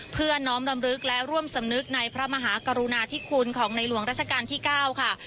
เพื่อน้อมรำลึกและร่วมสำนึกในพระมหากรุณาธิคุณของในหลวงราชการที่๙ค่ะ